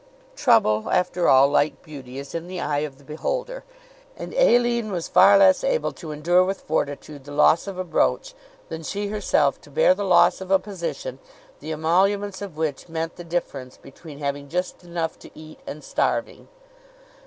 Trouble, after all, like beauty, is in the eye of the beholder; and Aline was far less able to endure with fortitude the loss of a brooch than she herself to bear the loss of a position the emoluments of which meant the difference between having just enough to eat and starving.